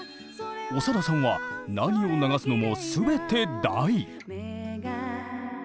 長田さんは何を流すのも全て大。